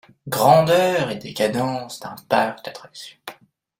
Grandeur et décadence d’un parc d’attractions.